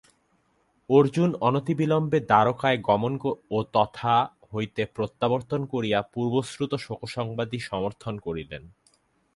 অর্জুন অনতিবিলম্বে দ্বারকায় গমন ও তথা হইতে প্রত্যাবর্তন করিয়া পূর্বশ্রুত শোকসংবাদই সমর্থন করিলেন।